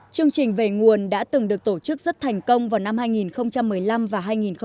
chương trình về nguồn đã từng được tổ chức rất thành công vào năm hai nghìn một mươi năm và hai nghìn một mươi bảy